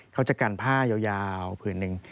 เขาจะกันผ้ายาวผืนหนึ่ง